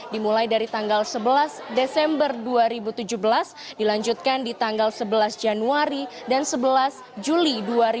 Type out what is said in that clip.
dimulai dari tanggal sebelas desember dua ribu tujuh belas dilanjutkan di tanggal sebelas januari dan sebelas juli dua ribu delapan belas